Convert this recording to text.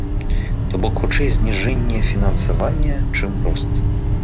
То бок, хутчэй, зніжэнне фінансавання, чым рост.